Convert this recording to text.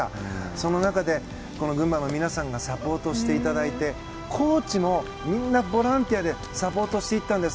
その中で、群馬の皆さんにサポートしていただいてコーチもみんなボランティアでサポートしていったんです。